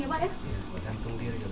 iya gantung diri